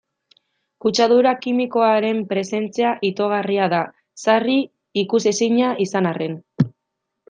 Kutsadura kimikoaren presentzia itogarria da, sarri ikusezina izan arren.